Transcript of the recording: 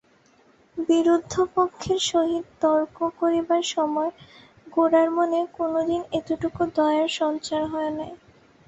বিরুদ্ধপক্ষের সহিত তর্ক করিবার সময় গোরার মনে কোনদিন এতটুকু দয়ার সঞ্চার হয় নাই।